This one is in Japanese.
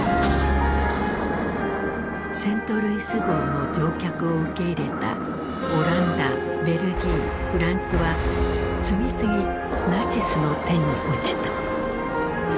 セントルイス号の乗客を受け入れたオランダベルギーフランスは次々ナチスの手に落ちた。